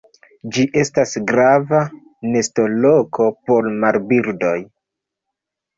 Ĝi estas grava nestoloko por marbirdoj.